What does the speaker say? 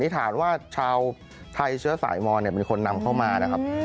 ข้างบัวแห่งสันยินดีต้อนรับทุกท่านนะครับ